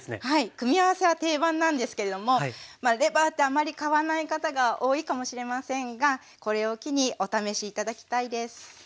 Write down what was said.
組み合わせは定番なんですけれどもレバーってあんまり買わない方が多いかもしれませんがこれを機にお試し頂きたいです。